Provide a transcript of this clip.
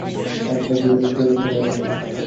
সেদিন সমস্তদিন নিজের সঙ্গে একটা বিরোধ চলিতে লাগিল।